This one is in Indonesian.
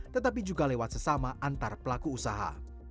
tetapi juga lewat sesama antar pelaku usaha